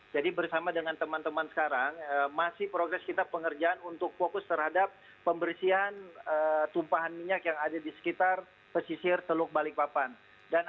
jadi bersama dengan teman teman sekarang masih progres kita pengerjaan untuk fokus terhadap pembersihan tumpahan minyak yang ada di sekitar pesisir teluk balikpapan